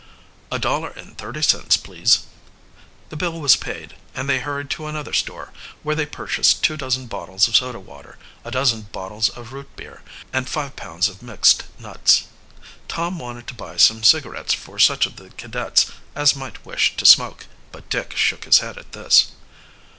"A dollar and thirty cents, please." The bill was paid, and they hurried to another store, where they purchased two dozen bottles of soda water, a dozen bottles of root beer, and five pounds of mixed nuts. Tom wanted to buy some cigarettes for such of the cadets as might wish to smoke, but Dick shook his head at this.